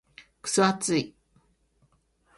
クソ暑い。